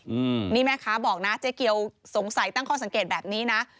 อืมนี่แม่ค้าบอกนะเจ๊เกียวสงสัยตั้งข้อสังเกตแบบนี้นะ